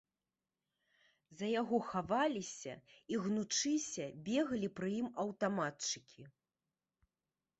За яго хаваліся і, гнучыся, бегалі пры ім аўтаматчыкі.